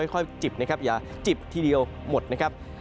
ค่อยจิบนะครับอย่าจิบทีเดียวหมดนะครับ